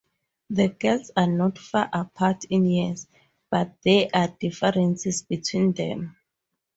The girls are not far apart in years, but there are differences between them.